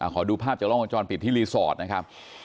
ขอดูภาพจากล้องวงจรปิดที่รีสอร์ทนะครับ